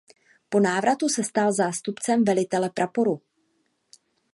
Po návratu se stal zástupcem velitele praporu.